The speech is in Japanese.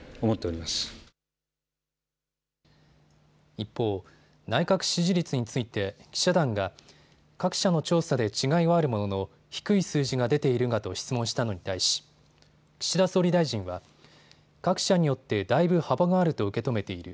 一方、内閣支持率について記者団が各社の調査で違いはあるものの低い数字が出ているがと質問したのに対し岸田総理大臣は各社によってだいぶ幅があると受け止めている。